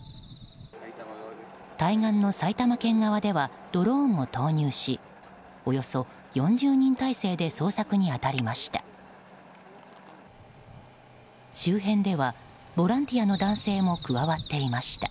対岸の埼玉県側ではドローンを投入しおよそ４０人態勢で捜索に当たりました。